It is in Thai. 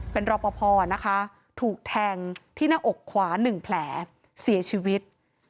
เป็นรอปภนะคะถูกแทงที่หน้าอกขวา๑แผลเสียชีวิต